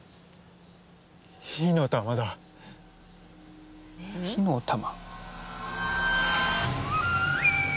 火の玉だ火の玉？